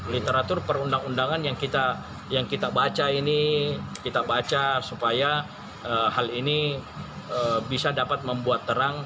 literatur perundang undangan yang kita baca ini kita baca supaya hal ini bisa dapat membuat terang